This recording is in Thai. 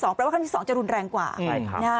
เพราะว่าครั้งที่๒จะรุนแรงกว่านะ